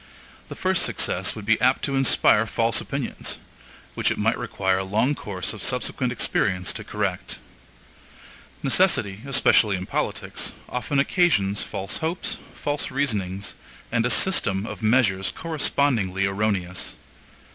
The first success would be apt to inspire false opinions, which it might require a long course of subsequent experience to correct. Necessity, especially in politics, often occasions false hopes, false reasonings, and a system of measures correspondingly erroneous.